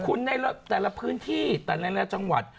คุณในแต่ละพื้นที่แต่ละจังหวัด